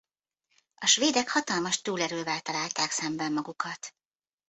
A svédek hatalmas túlerővel találták szemben magukat.